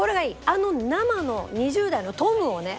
あの生の２０代のトムをね